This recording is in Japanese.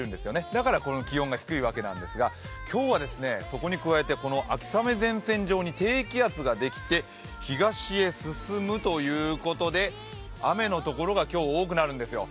だから気温が低いわけなんですが今日はそこに加えて秋雨前線上に低気圧ができて、東へ進むということで、雨の所が今日は多くなるんですよ。